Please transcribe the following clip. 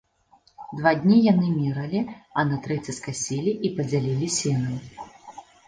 Два дні яны мералі, а на трэці скасілі і падзялілі сенам.